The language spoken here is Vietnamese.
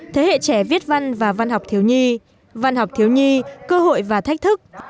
thế hệ trẻ viết văn và văn học thiếu nhi văn học thiếu nhi cơ hội và thách thức